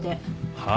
はあ？